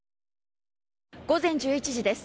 午前１１時です。